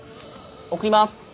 送ります。